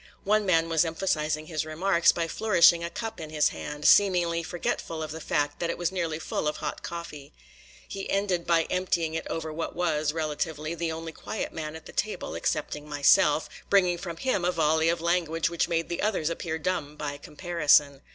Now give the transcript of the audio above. One man was emphasizing his remarks by flourishing a cup in his hand, seemingly forgetful of the fact that it was nearly full of hot coffee. He ended by emptying it over what was, relatively, the only quiet man at the table excepting myself, bringing from him a volley of language which made the others appear dumb by comparison.